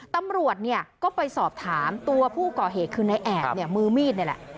ตำรวจเนี่ยก็ไปสอบถามตัวผู้ก่อเหตุคือนายแอบเนี่ยมือมีดนี่แหละ